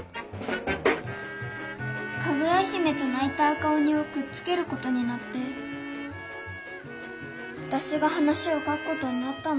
「かぐや姫」と「ないた赤おに」をくっつけることになってわたしが話を書くことになったんだけどさ。